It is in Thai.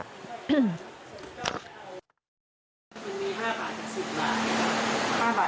๕บาท๑๐บาทรวมน้ำหนักละ๑๐๐บาทอ๋อ